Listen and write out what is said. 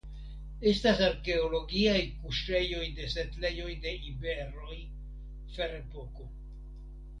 Estas arkeologiaj kuŝejoj de setlejoj de iberoj (Ferepoko).